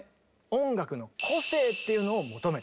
音楽の個性っていうのを求めた。